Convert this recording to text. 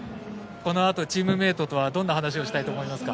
このあとチームメートとはどんな話をしたいと思いますか？